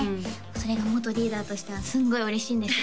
それが元リーダーとしてはすっごい嬉しいんです